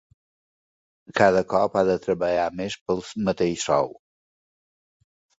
Cada cop ha de treballar més pel mateix sou.